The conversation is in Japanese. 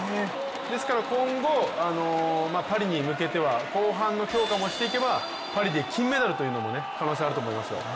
ですから今後、パリに向けては後半の強化もしていけばパリで金メダルの可能性もあると思いますよ。